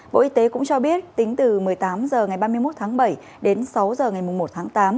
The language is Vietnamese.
bộ y tế cũng cho biết tính từ một mươi tám h ngày ba mươi một tháng bảy đến sáu h ngày một tháng tám